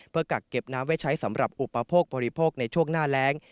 เพื่อกักเก็บน้ำไว้ใช้สำหรับอุปโภคบริโภคในช่วงหน้าแรง